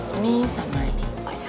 ini sama ini